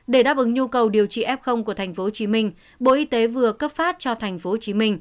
để đáp ứng nhu cầu điều trị f của tp hcm bộ y tế vừa cấp phát cho tp hcm